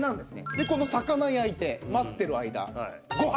でこの魚焼いて待ってる間ご飯。